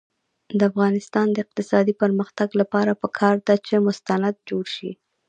د افغانستان د اقتصادي پرمختګ لپاره پکار ده چې مستند جوړ شي.